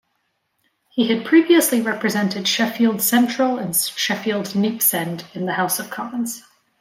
He had previously represented Sheffield Central and Sheffield Neepsend in the House of Commons.